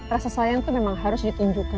rasa sayang itu memang harus ditunjukkan